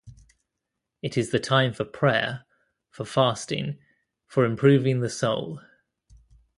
It is the time for prayer, for fasting, for improving the soul.